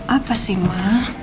apa sih ma